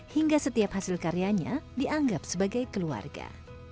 hingga setiap hasil karyanya dianggap sebagai keluarga